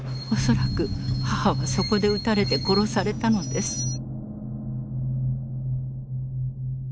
恐らく母はそこで撃たれて殺されたのです。